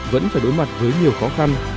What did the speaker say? vẫn phải đối mặt với nhiều khó khăn